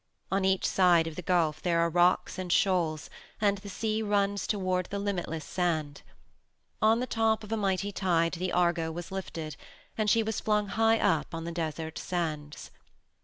On each side of the gulf there are rocks and shoals, and the sea runs toward the limitless sand. On the top of a mighty tide the Argo was lifted, and she was flung high up on the desert sands.